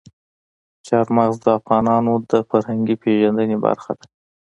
چار مغز د افغانانو د فرهنګي پیژندنې برخه ده.